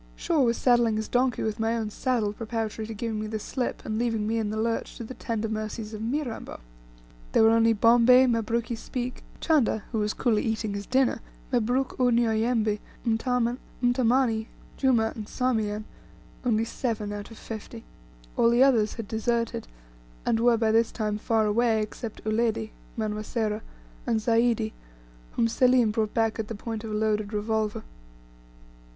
Shaw was saddling his donkey with my own saddle, preparatory to giving me the slip, and leaving me in the lurch to the tender mercies of Mirambo. There were only Bombay, Mabruki Speke, Chanda who was coolly eating his dinner, Mabruk Unyauyembe, Mtamani, Juma, and Sarmean only seven out of fifty. All the others had deserted, and were by this time far away, except Uledi (Manwa Sera) and Zaidi, whom Selim brought back at the point of a loaded revolver.